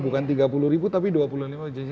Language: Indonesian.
bukan tiga puluh ribu tapi dua puluh lima jessi